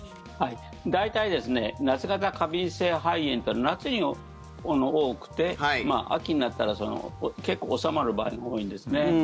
大体夏型過敏性肺炎というのは夏に多くて、秋になったら結構、治まる場合も多いんです。